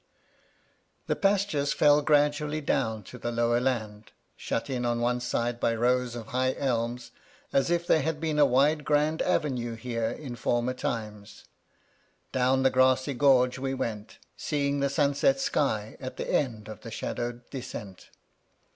5 The pastures fell gradually down to the lower land, shut in on either side by rows of high elms, as if there had been a wide grand avenue here in former times. Down the grassy gorge we went, seeing the sunset sky at the end of the shadowed descent.